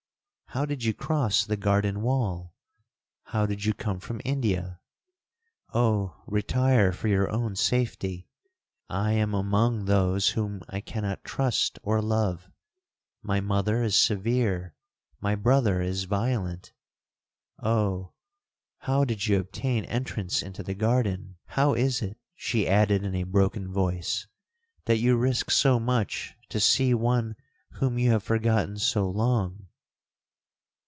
—how did you cross the garden wall?—how did you come from India? Oh! retire for your own safety! I am among those whom I cannot trust or love. My mother is severe—my brother is violent. Oh! how did you obtain entrance into the garden?—How is it,' she added in a broken voice, 'that you risk so much to see one whom you have forgotten so long?'